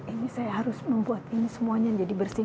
ini saya harus membuat ini semuanya jadi bersih